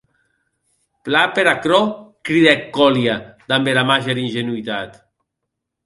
Plan per aquerò, cridèc Kolia damb era màger ingenuitat.